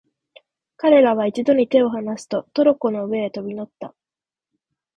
彼等は一度に手をはなすと、トロッコの上へ飛び乗った。